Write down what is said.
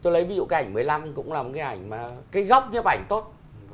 tôi lấy ví dụ cái ảnh một mươi năm cũng là một cái ảnh mà cái góc nhếp ảnh tốt